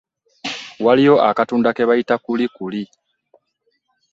Waliyo akatundu ke bayita Kulikuli.